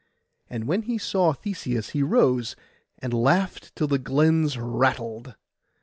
And when he saw Theseus he rose, and laughed till the glens rattled.